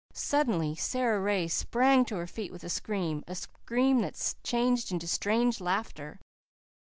Suddenly Sara Ray sprang to her feet with a scream a scream that changed into strange laughter.